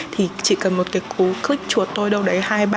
thì chỉ cần một cái cú click chuột thôi đâu đấy